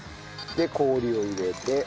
で氷を入れて。